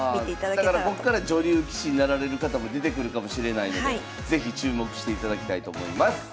だからこっから女流棋士になられる方も出てくるかもしれないので是非注目していただきたいと思います。